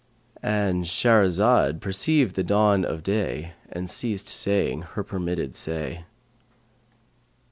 "—And Shahrazad perceived the dawn of day and ceased saying her permitted say.